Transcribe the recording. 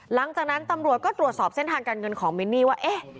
หลังจากนั้นตำรวจก็ตรวจสอบเส้นทางการเงินของมินนี่ว่าเอ๊ะ